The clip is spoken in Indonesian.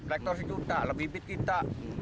lektor sejuta lebih lebih kita